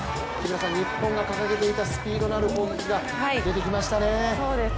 日本が掲げていたスピードのある攻撃が出てきましたね。